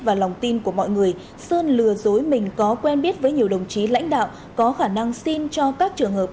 và lòng tin của mọi người sơn lừa dối mình có quen biết với nhiều đồng chí lãnh đạo có khả năng xin cho các trường hợp